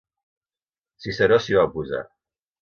Ciceró s'hi va oposar.